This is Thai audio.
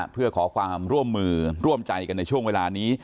เพื่อขอความร่วมมือร่วมใจกันในช่วงเวลานี้